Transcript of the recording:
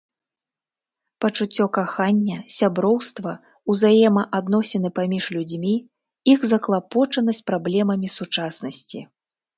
Пачуццё кахання, сяброўства, узаемаадносіны паміж людзьмі, іх заклапочанасць праблемамі сучаснасці.